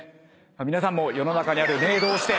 皆さんも世の中にあるねぇ，どうして？